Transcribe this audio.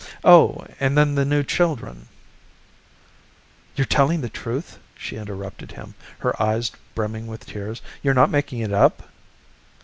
Oh, and then the new children " "You're telling the truth?" she interrupted him, her eyes brimming with tears. "You're not making it up?"